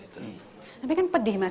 tapi kan pedih mas